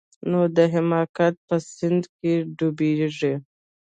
نو د حماقت په سيند کښې ډوبېږي.